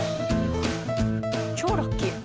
超ラッキー！